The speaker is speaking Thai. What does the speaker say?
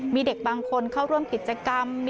มีเด็กบางคนเข้าร่วมกันอากาศ